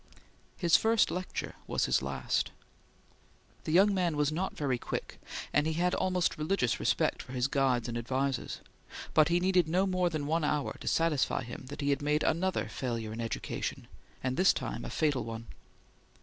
His first lecture was his last. The young man was not very quick, and he had almost religious respect for his guides and advisers; but he needed no more than one hour to satisfy him that he had made another failure in education, and this time a fatal one.